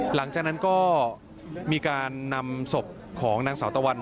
หลังจากนั้นก็มีการนำศพของนางสาวตะวัน